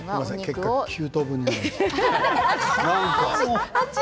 結果９等分になりました。